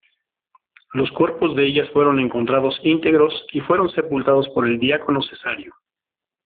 Los cuerpos de ellas fueron encontrados íntegros y fueron sepultados por el diácono Cesario.